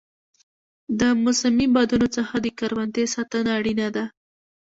د موسمي بادونو څخه د کروندې ساتنه اړینه ده.